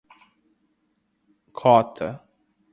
quota